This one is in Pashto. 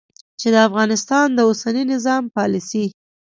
چې د افغانستان د اوسني نظام پالیسي